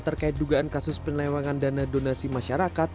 terkait dugaan kasus penelewangan dana donasi masyarakat